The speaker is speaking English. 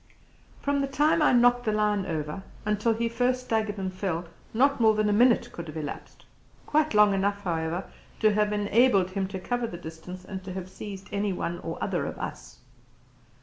From the time I knocked the lion over until he first staggered and fell not more than a minute could have elapsed quite long enough, however, to have enabled him to cover the distance and to have seized one or other of us.